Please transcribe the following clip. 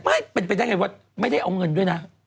ไม่เป็นไปได้ไงว่าไม่ได้เอาเงินด้วยนะ